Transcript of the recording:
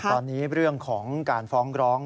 ตอนนี้เรื่องของการฟ้องร้อง